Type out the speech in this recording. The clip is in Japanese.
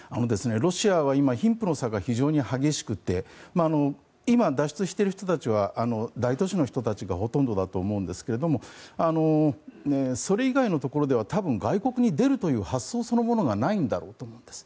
ロシアは今、貧富の差が非常に激しくて今、脱出している人たちは大都市の人たちがほとんどだと思うんですがそれ以外のところでは多分、外国に出るという発想そのものがないんだろうと思うんです。